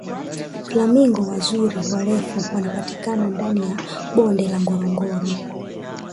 flamingo wazuri warefu wanapatikana ndani ya bonde la ngorongoro